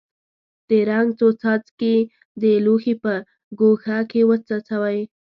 د رنګ څو څاڅکي د لوښي په ګوښه کې وڅڅوئ.